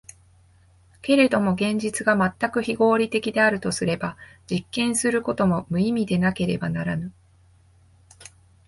けれども現実が全く非合理的であるとすれば、実験することも無意味でなければならぬ。